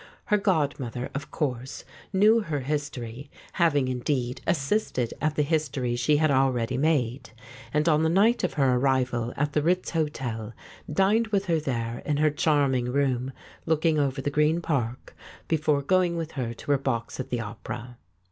Her godmother, of course, knew her history, having, in deed, assisted at the history she had already made, and on the night of her arrival at the Ritz Hotel, dined with her there in her charming room looking over the Green Park, before going with her to her box at the opera.